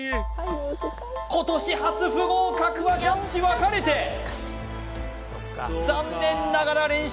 今年初不合格はジャッジ分かれて残念ながら連勝